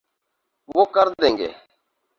وہ کر دیں گے۔